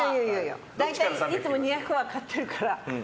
大体いつも２００は買ってるから。